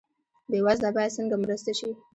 بې وزله باید څنګه مرسته شي؟